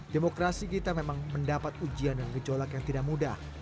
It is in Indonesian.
demokrasi kita memang mendapat ujian dan gejolak yang tidak mudah